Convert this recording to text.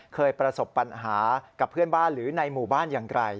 เคยประสบปัญหากับเพื่อนบ้านหรือในหมู่บ้านอย่างไร